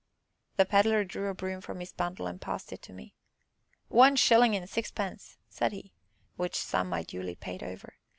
The Pedler drew a broom from his bundle and passed it to me. "One shillin' and sixpence!" said he, which sum I duly paid over.